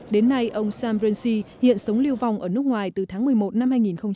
đến nay ông sam rensi hiện sống lưu vong ở nước ngoài từ tháng một mươi một năm hai nghìn một mươi năm